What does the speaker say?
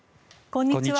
こんにちは。